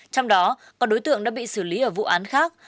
trong đó có đối tượng đã bị xử lý ở vụ án khác